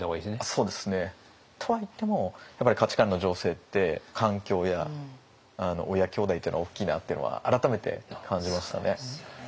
そうですね。とは言ってもやっぱり価値観の醸成って環境や親兄弟っていうのは大きいなっていうのは改めて感じましたね。